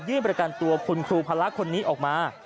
ประกันตัวคุณครูพระคนนี้ออกมา